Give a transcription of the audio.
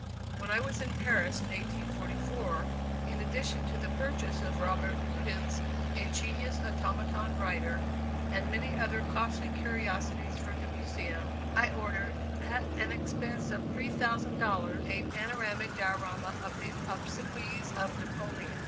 When I was in Paris in 1844, in addition to the purchase of Robert Houdin's ingenious automaton writer, and many other costly curiosities for the Museum, I ordered, at an expense of $3,000, a panoramic diorama of the obsequies of Napoleon.